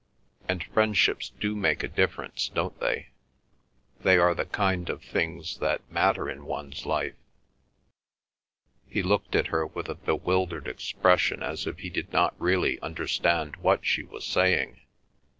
And friendships do make a difference, don't they? They are the kind of things that matter in one's life?" He looked at her with a bewildered expression as if he did not really understand what she was saying.